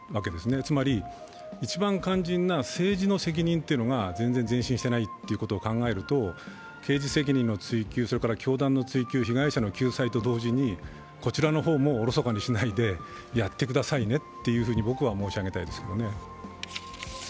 つまり一番肝心な政治の責任というのが全然前進してないということを考えると刑事責任の追及、それから教団の追及、被害者の救済と同時に、こちらもおろそかにしないでやってくださいねというふうに僕は申し上げたいですけどね。